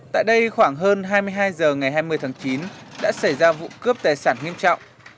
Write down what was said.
tại đây khoảng hơn hai mươi hai h ngày hai mươi tháng chín đã xảy ra vụ cướp tài sản nghiêm trọng